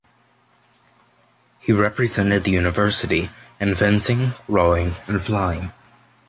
He represented the university in fencing, rowing and flying.